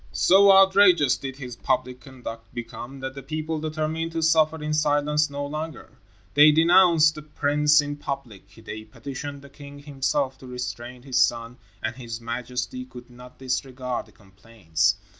So outrageous did his public conduct become that the people determined to suffer in silence no longer. They denounced the prince in public, they petitioned the king himself to restrain his son, and his majesty could not disregard the complaints.